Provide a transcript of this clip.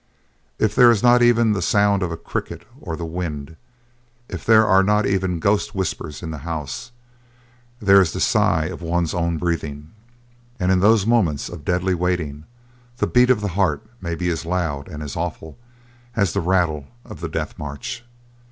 If there is not even the sound of the cricket or the wind, if there are not even ghost whispers in the house, there is the sigh of one's own breathing, and in those moments of deadly waiting the beat of the heart may be as loud and as awful as the rattle of the death march.